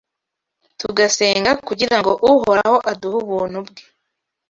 tugasenga, kugira ngo Uhoraho aduhe ubuntu bwe